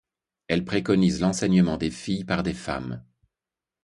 Elle préconise l'enseignement des filles par des femmes.